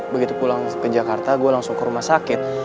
begitu pulang ke jakarta gue langsung ke rumah sakit